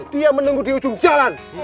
dia menunggu di ujung jalan